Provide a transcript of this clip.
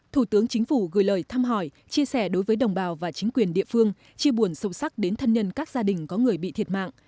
thủ tướng chính phủ gửi lời thăm hỏi chia sẻ đối với đồng bào và chính quyền địa phương chia buồn sâu sắc đến thân nhân các gia đình có người bị thiệt mạng